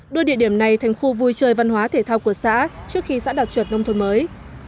đưa địa điểm này thành khu vui chơi văn hóa thể thao của xã trước khi xã đạt chuẩn nông thôn mới